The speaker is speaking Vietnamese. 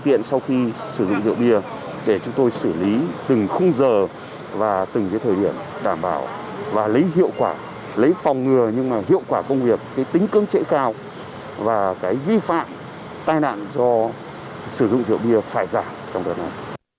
phòng ngừa nhưng mà hiệu quả công việc tính cưỡng trễ cao và vi phạm tai nạn do sử dụng rượu bia phải giảm trong đợt này